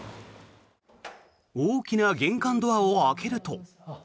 大きな玄関ドアを開けると。